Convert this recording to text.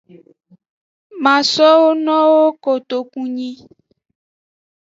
Ma sowo nowo kotunyi.